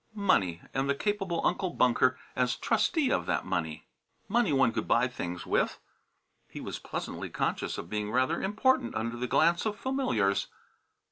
Money! and the capable Uncle Bunker as trustee of that money! Money one could buy things with! He was pleasantly conscious of being rather important under the glance of familiars.